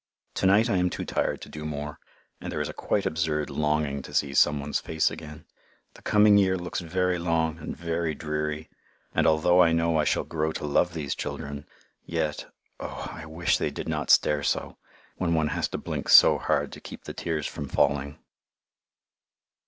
To night I am too tired to do more, and there is a quite absurd longing to see some one's face again. The coming year looks very long and very dreary, and although I know I shall grow to love these children, yet, oh, I wish they did not stare so when one has to blink so hard to keep the tears from falling.